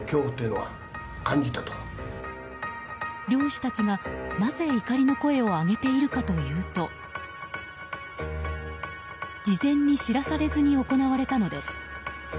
漁師たちが、なぜ怒りの声を上げているかというと事前に知らされずに行われたのです。